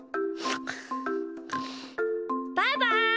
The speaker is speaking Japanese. バイバイ！